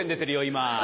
今。